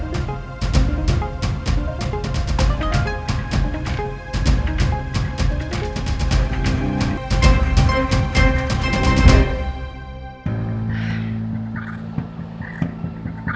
aku mau ke sana